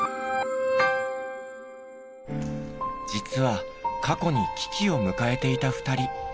実は過去に危機を迎えていた２人。